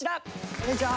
こんにちは。